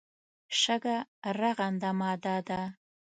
شګه رغنده ماده ده.